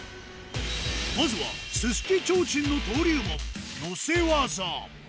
まずはススキ提灯の登竜門、乗せ技。